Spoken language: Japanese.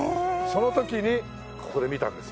その時にここで見たんです。